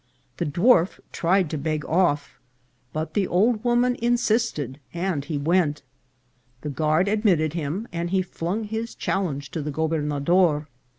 The dwarf tried to beg off, but the old woman insisted, and he went. The guard admitted him, and he flung his challenge at the gobernador.